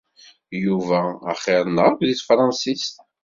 Yuba axiṛ-nneɣ akk deg tefṛansist.